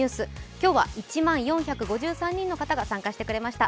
今日は１万４５３人の人が参加してくれました。